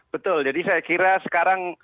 betul jadi saya kira sekarang